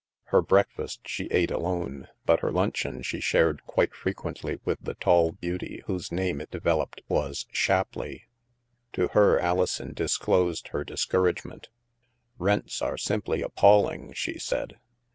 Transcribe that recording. Her breakfast she ate alone, but her luncheon she shared quite frequently with the tall beauty whose name, it developed, was Shapleigh. To her, Alison disclosed her discouragement " Rents are simply appalling," she said.